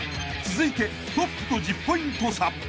［続いてトップと１０ポイント差